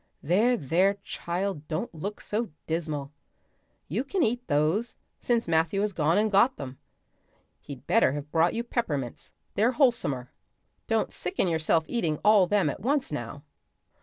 There, there, child, don't look so dismal. You can eat those, since Matthew has gone and got them. He'd better have brought you peppermints. They're wholesomer. Don't sicken yourself eating all them at once now."